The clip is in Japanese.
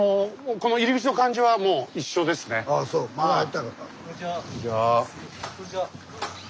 こんにちは。